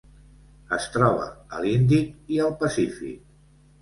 Es troba a l'Índic i al Pacífic.